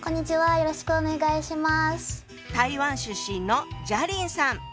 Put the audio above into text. よろしくお願いします。